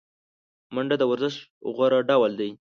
منډه د ورزش غوره ډول دی